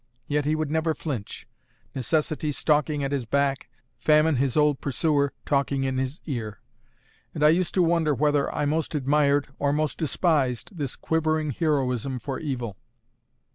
Yet he would never flinch: necessity stalking at his back, famine (his old pursuer) talking in his ear; and I used to wonder whether I most admired, or most despised, this quivering heroism for evil.